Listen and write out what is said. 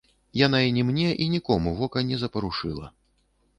Яна і ні мне і нікому вока не запарушыла.